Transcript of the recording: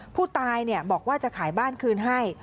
ผู้ตายบอกว่าจะขายบ้านคืนให้